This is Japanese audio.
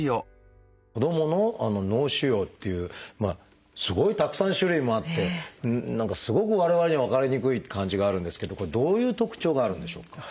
子どもの脳腫瘍っていうすごいたくさん種類もあって何かすごく我々には分かりにくい感じがあるんですけどこれどういう特徴があるんでしょうか？